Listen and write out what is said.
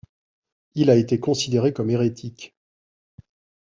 Il a été considéré comme hérétique.